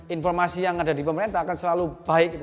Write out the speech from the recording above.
informasi yang ada di pemerintah akan selalu baik